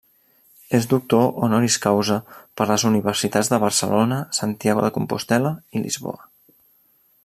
És doctor honoris causa per les universitats de Barcelona, Santiago de Compostel·la i Lisboa.